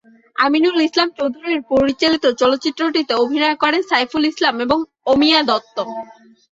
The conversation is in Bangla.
আমিনুল ইসলাম চৌধুরী পরিচালিত চলচ্চিত্রটিতে অভিনয় করেন সইফুল ইসলাম এবং অমিয়া দত্ত।